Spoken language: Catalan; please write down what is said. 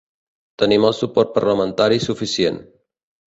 Tenim el suport parlamentari suficient.